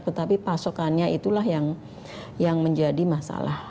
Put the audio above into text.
tetapi pasokannya itulah yang menjadi masalah